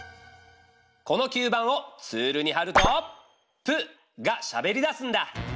この吸盤をツールにはると「プ」がしゃべりだすんだ。